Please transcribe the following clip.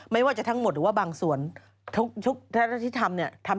ไม่ว่าจะทั้งหมดหรือว่าบางส่วนทุกท่านที่ทำเนี่ย